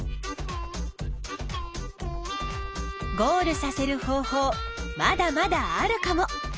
ゴールさせる方法まだまだあるかも！